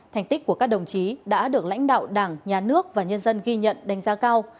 thành tích của các đồng chí đã được lãnh đạo đảng nhà nước và nhân dân ghi nhận đánh giá cao